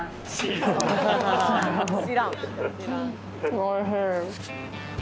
おいしい。